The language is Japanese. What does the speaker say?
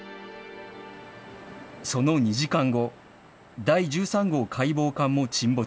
その２時間後、第１３号海防艦も沈没。